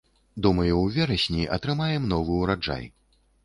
Думаю, у верасні атрымаем новы ўраджай.